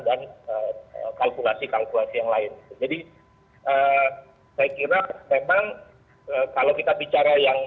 dan kalkulasi kalkulasi yang lain jadi saya kira memang kalau kita bicara yang